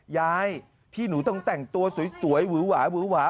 ยายพี่หนูต้องแต่งตัวสวยหวือหวาวือหวา